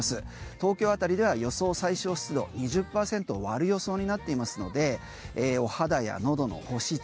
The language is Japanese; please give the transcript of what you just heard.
東京辺りでは予想最小湿度２０％を割る予想になっていますのでお肌や喉の保湿